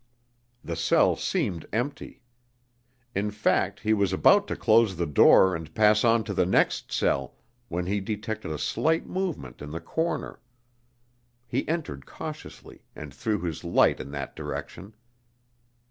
The cell seemed empty. In fact, he was about to close the door and pass on to the next cell, when he detected a slight movement in the corner. He entered cautiously and threw his light in that direction.